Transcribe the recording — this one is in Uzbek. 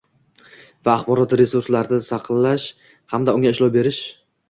va axborot resurslarida saqlash hamda unga ishlov berish